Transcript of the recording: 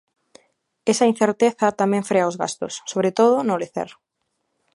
Esa incerteza tamén frea os gastos, sobre todo no lecer.